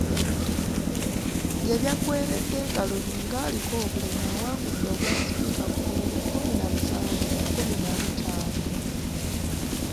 Gye byaggweeredde nga Lubinga aliko obulemu awangudde obwasipiika ku bululu kkumi na musanvu ku kkumi na butaano.